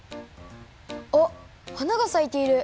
あっ花がさいている！